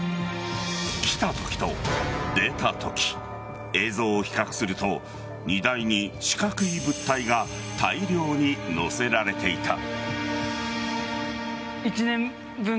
来たときと、出たとき映像を比較すると荷台に四角い物体が大量に載せられていた。